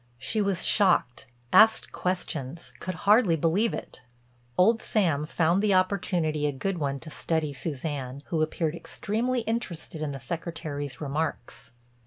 She was shocked, asked questions, could hardly believe it. Old Sam found the opportunity a good one to study Suzanne, who appeared extremely interested in the Secretary's remarks.